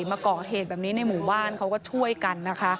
มากองเผ็ดในหมู่บ้านเขาก็ช่วยกันนะคะ